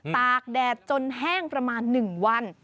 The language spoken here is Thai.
ตากแดดจนแห้งประมาณ๑วัน